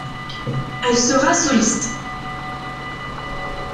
Elle sera soliste.